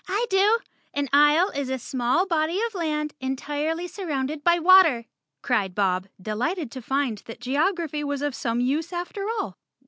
" I do. An isle is a small body of land entirely sur¬ rounded by water," cried Bob, delighted to find that geography was of some use after all.